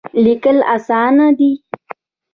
لیکل اسانه دی.